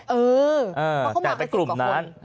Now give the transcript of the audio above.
เออมาเข้ามากกว่า๑๐กว่าคน